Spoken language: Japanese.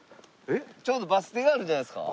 ちょうどバス停があるんじゃないですか？